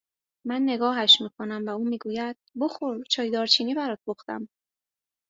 من نگاهش میکنم و او میگوید: بخور چای دارچینی برات پختم